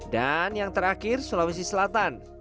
dan yang terakhir sulawesi selatan